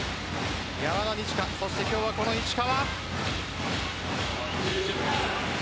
山田二千華そして今日は、この石川。